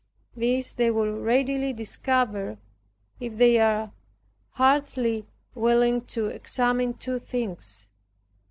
This they will readily discover, if they are heartily willing to examine two things.